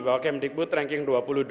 bahwa camp digbud ranking dua puluh dua